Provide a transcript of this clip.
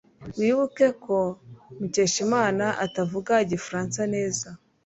Wibuke ko Mukeshimana atavuga Igifaransa neza